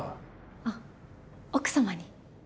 あっ奥様に？